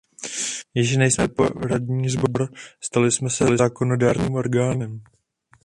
Již nejsme poradní sbor, stali jsme se zákonodárným orgánem.